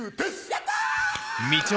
やった！